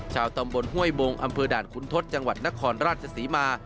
ชาวตำบลห้วยบงอำเภอด่านคุณทศจังหวัดนครราชศรีมา